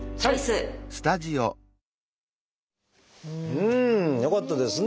うん！よかったですね